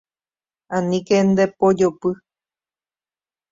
Aníke ndepojopy.